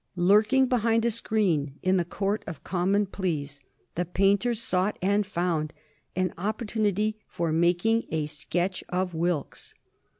Lurking behind a screen in the Court of Common Pleas, the painter sought and found an opportunity for making a sketch of Wilkes.